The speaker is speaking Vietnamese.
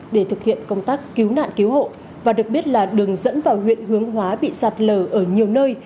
để thực hiện công tác cứu nạn cứu hộ và được biết là đường dẫn vào huyện hướng hóa bị sạt lở ở nhiều nơi